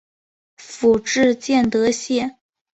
府治建德县。